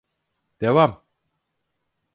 Devam.